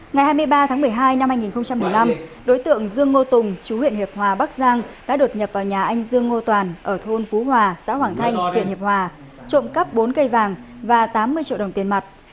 ngày hai mươi ba tháng một mươi hai năm hai nghìn một mươi năm đối tượng dương ngô tùng chú huyện hiệp hòa bắc giang đã đột nhập vào nhà anh dương ngô toàn ở thôn phú hòa xã hoàng thanh huyện hiệp hòa trộm cắp bốn cây vàng và tám mươi triệu đồng tiền mặt